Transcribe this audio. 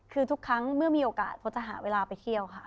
คือทุกครั้งเมื่อมีโอกาสพดจะหาเวลาไปเที่ยวค่ะ